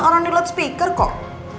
orang di luar speaker kok